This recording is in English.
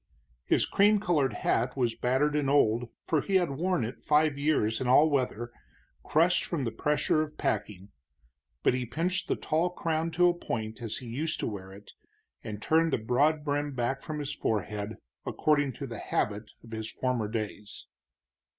His cream colored hat was battered and old, for he had worn it five years in all weather, crushed from the pressure of packing, but he pinched the tall crown to a point as he used to wear it, and turned the broad brim back from his forehead according to the habit of his former days.